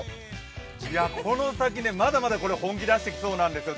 この先、まだまだ本気出してきそうなんですよ。